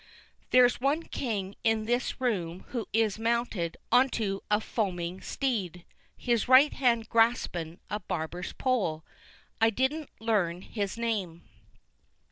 There's one King in this room who is mounted onto a foaming steed, his right hand graspin a barber's pole. I didn't learn his name.